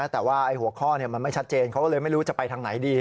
แต่ว่าหัวข้อมันไม่ชัดเจนเขาก็เลยไม่รู้จะไปทางไหนดี